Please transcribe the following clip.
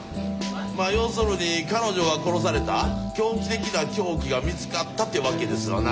まぁ要するに彼女が殺された「狂気的な凶器」が見つかったってわけですわな。